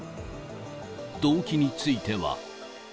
動機については。